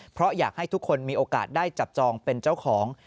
เพราะอยากให้ทุกคนมีโอกาสได้จับจองเป็นเจ้าของ